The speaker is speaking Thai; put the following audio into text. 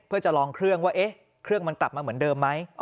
เพื่อจะลองเครื่องว่าเครื่องมันกลับมาเหมือนเดิมไหม